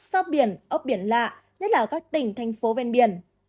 xót biển ốc biển lạ nhất là ở các tỉnh thành phố ven biển